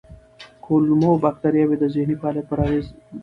کولمو بکتریاوې د ذهني فعالیت پر اغېز لري.